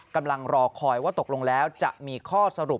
กำลังรอคอยว่าตกลงแล้วจะมีข้อสรุป